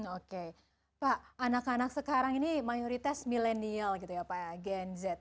oke pak anak anak sekarang ini mayoritas milenial pak gnz